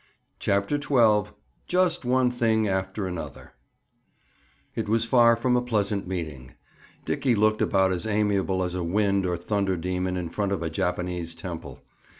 CHAPTER XII—JUST ONE THING AFTER ANOTHER It was far from a pleasant meeting. Dickie looked about as amiable as a wind or thunder demon, in front of a Japanese temple.